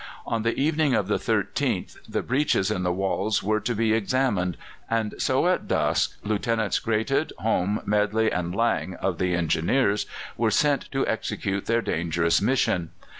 On the evening of the 13th the breaches in the walls were to be examined, and so at dusk Lieutenants Greathed, Home, Medley, and Lang, of the Engineers, were sent to execute their dangerous mission.